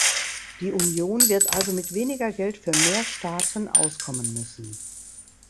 Die Union wird also mit weniger Geld für mehr Staaten auskommen müssen.